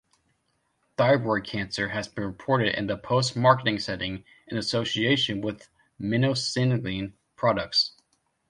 Thyroid cancer has been reported in the post-marketing setting in association with minocycline products.